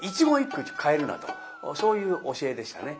そういう教えでしたね。